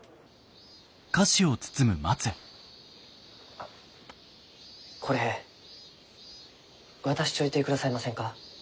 あこれ渡しちょいてくださいませんか？